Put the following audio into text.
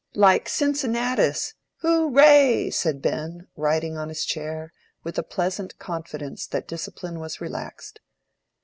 "Like Cincinnatus—hooray!" said Ben, riding on his chair, with a pleasant confidence that discipline was relaxed.